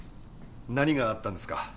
何があったんですか？